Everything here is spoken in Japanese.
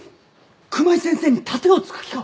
熊井先生に盾を突く気か！